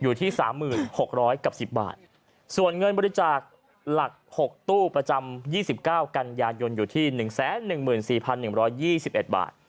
อยู่ที่สามหมื่นหกร้อยกับสิบบาทส่วนเงินบริจาคหลักหกตู้ประจำยี่สิบเก้ากันยานยนต์อยู่ที่หนึ่งแสนหนึ่งหมื่นสี่พันหนึ่งร้อยยี่สิบเอ็ดบาท